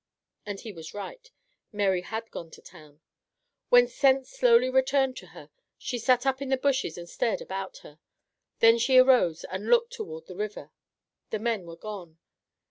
And he was right. Mary had gone to town. When sense slowly returned to her she sat up in the bushes and stared about her. Then she arose and looked toward the river. The men were gone.